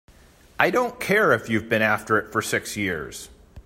I don't care if you've been after it for six years!